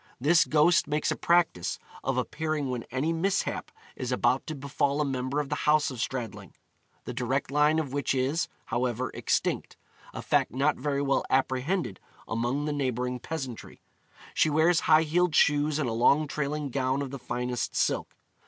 This ghost makes a practice of appearing when any mishap is about to befall a member of the house of Stradling the direct line of which is, however, extinct, a fact not very well apprehended among the neighbouring peasantry. She wears high heeled shoes and a long trailing gown of the finest silk.